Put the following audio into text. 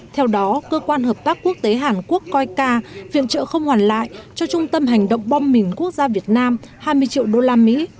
theo đó cơ quan hợp tác quốc tế hàn quốc coica viện trợ không hoàn lại cho trung tâm hành động bom mìn quốc gia việt nam hai mươi triệu đô la mỹ